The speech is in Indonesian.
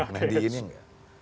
nah di ini enggak